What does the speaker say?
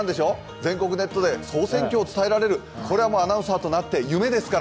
全国ネットで総選挙を伝えられる、これはアナウンサーになって夢ですから。